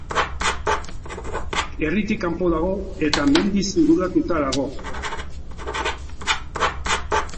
Herritik kanpo dago, eta mendiz inguratuta dago.